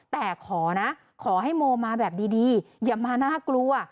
แต่ขอนะขอให้โมมาแบบดีอย่ามาน่ากลัว